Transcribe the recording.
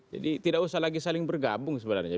jadi tidak usah lagi saling bergabung sebenarnya